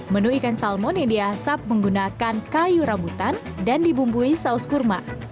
menu ikan salmon yang diasap menggunakan kayu rambutan dan dibumbui saus kurma